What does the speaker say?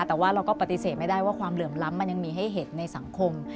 แต่ว่าเราก็ปฏิเสธไม่ได้ว่าความเหลื่อมล้ำมันยังมีให้เห็นในสังคม